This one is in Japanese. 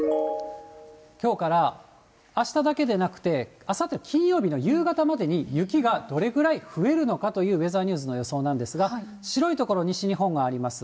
きょうからあしただけでなくて、あさって金曜日の夕方までに雪がどれぐらい増えるのかというウェザーニューズの予想なんですが、白い所、西日本があります。